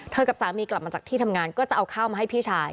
กับสามีกลับมาจากที่ทำงานก็จะเอาข้าวมาให้พี่ชาย